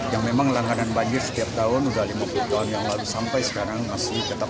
yang lalu sampai sekarang masih tetap